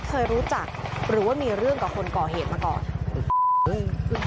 พวกมันต้องกินกันพี่